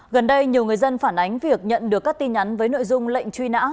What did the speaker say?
gần đây nhiều người dân phản ánh việc nhận được các tin nhắn với nội dung lệnh truy nã